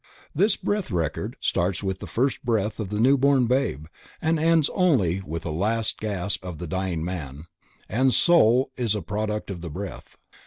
This breath record starts with the first breath of the newborn babe and ends only with the last gasp of the dying man, and "soul" is a product of the breath.